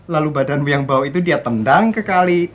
lalu badanmu yang bau itu dia tendang ke kali